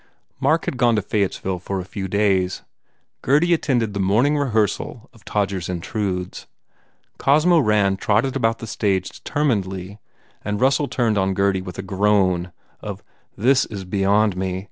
Mark had gone to Fayettesville for a few days. Gurdy attended the morning rehearsal of "Tod gers Intrudes." Cosmo Rand trotted about the stage determinedly and Russell turned on Gurdy with a groan of, "This is beyond me.